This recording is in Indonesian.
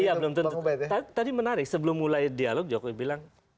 iya belum tentu tadi menarik sebelum mulai dialog jokowi bilang